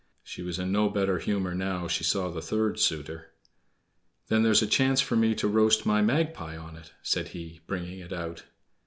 She was in no better humor now she saw the third suitor. "Then there's a chance for me to roast my magpie on it," said he, bringing it out.